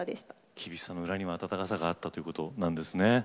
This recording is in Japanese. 厳しさの裏には温かさがあったということなんですね。